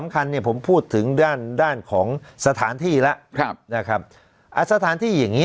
อาสถานที่อย่างนี้